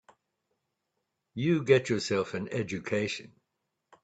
You get yourself an education.